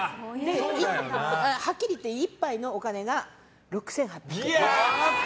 はっきり言って１杯のお金が６８００円。